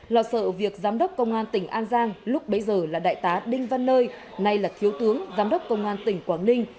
lo sợ việc giám đốc công an tỉnh an giang lúc bấy giờ là đại tá đinh văn nơi nay là thiếu tướng giám đốc công an tỉnh quảng ninh